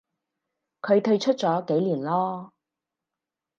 佢退出咗幾年咯